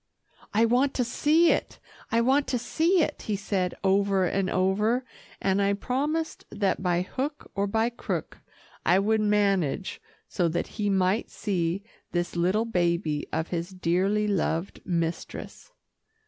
"I want to see it I want to see it," he said over and over, and I promised that by hook or by crook, I would manage so that he might see this little baby of his dearly loved mistress.